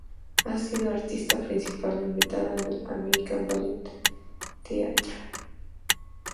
Ha sido Artista Principal Invitado en el American Ballet Theatre.